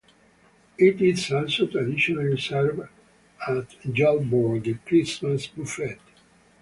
It is also traditionally served at Julbord, the Christmas buffet.